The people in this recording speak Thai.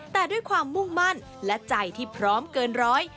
แต่ด้วยความมุ่งมั่นและใจที่พร้อมเกินร้อย